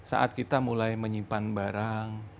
saat kita mulai menyimpan barang